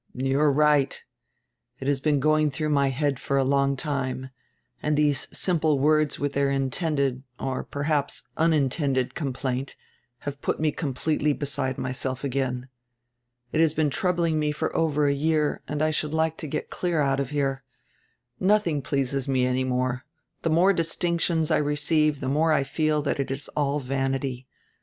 "You are right It has been going through my head for a long time, and these simple words with their intended, or perhaps unintended complaint, have put me completely beside myself again. It has been troubling me for over a year and I should like to get clear out of here. Nothing pleases me any more. The more distinctions I receive the more I feel that it is all vanity.